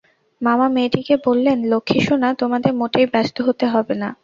মামা মেয়েটিকে বললেন, লক্ষ্মী সোনা, তোমাদের মোটেই ব্যস্ত হতে হবে না।